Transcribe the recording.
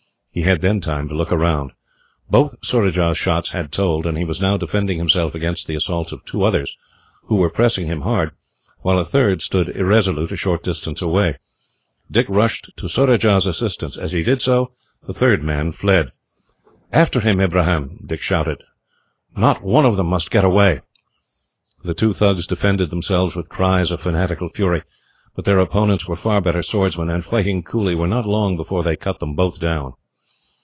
He had then time to look round. Both Surajah's shots had told, and he was now defending himself against the assaults of two others, who were pressing him hard, while a third stood irresolute a short distance away. Dick rushed to Surajah's assistance. As he did so, the third man fled. "After him, Ibrahim!" Dick shouted. "Not one of them must get away." The two Thugs defended themselves, with cries of fanatical fury, but their opponents were far better swordsmen, and, fighting coolly, were not long before they cut them both down.